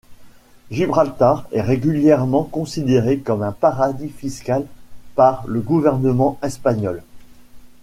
Gibraltar est régulièrement considéré comme un paradis fiscal par le gouvernement espagnol.